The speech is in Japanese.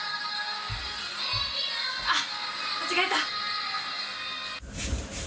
あっ間違えた。